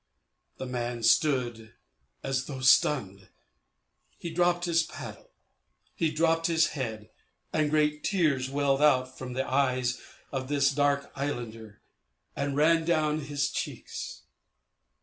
The man stood as though stunned. He dropped his paddle; he drooped his head, and great tears welled out from the eyes of this dark islander and ran down his cheeks.